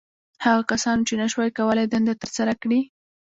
• هغه کسانو، چې نهشوی کولای دنده تر سره کړي.